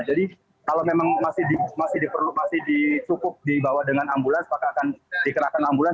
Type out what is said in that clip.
jadi kalau memang masih cukup dibawa dengan ambulans maka akan dikerahkan ambulans